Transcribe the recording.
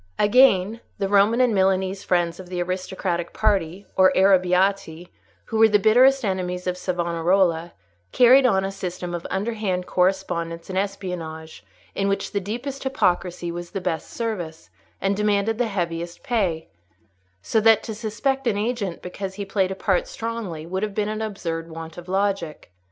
Again, the Roman and Milanese friends of the aristocratic party, or Arrabbiati, who were the bitterest enemies of Savonarola, carried on a system of underhand correspondence and espionage, in which the deepest hypocrisy was the best service, and demanded the heaviest pay; so that to suspect an agent because he played a part strongly would have been an absurd want of logic.